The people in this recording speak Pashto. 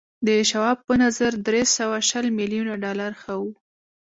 د شواب په نظر درې سوه شل ميليونه ډالر ښه و